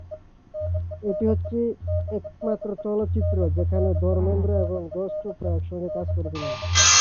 এটি হচ্ছে একমাত্র চলচ্চিত্র যেখানে ধর্মেন্দ্র এবং যশ চোপড়া একসঙ্গে কাজ করেছিলেন।